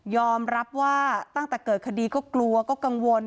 รับว่าตั้งแต่เกิดคดีก็กลัวก็กังวล